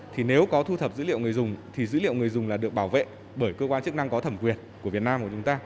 thì nếu có thu thập dữ liệu người dùng thì dữ liệu người dùng là được bảo vệ bởi cơ quan chức năng có thẩm quyền của việt nam của chúng ta